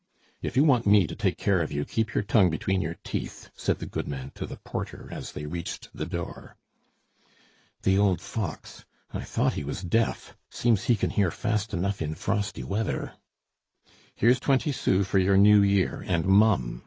"If you want me to take care of you, keep your tongue between your teeth," said the goodman to the porter as they reached the door. "The old fox! I thought he was deaf; seems he can hear fast enough in frosty weather." "Here's twenty sous for your New Year, and mum!"